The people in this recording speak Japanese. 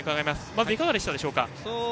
まず、いかがでしたでしょうか？